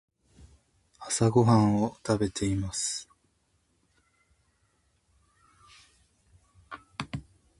朝ごはんはご飯を食べています。